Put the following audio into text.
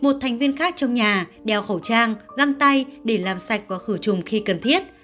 một thành viên khác trong nhà đeo khẩu trang găng tay để làm sạch và khử trùng khi cần thiết